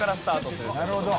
なるほど。